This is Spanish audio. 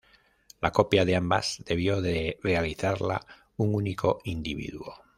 La copia de ambas debió de realizarla un único individuo.